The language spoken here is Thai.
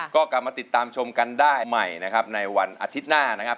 ก็กลับมาติดตามชมกันได้ใหม่นะครับในวันอาทิตย์หน้านะครับ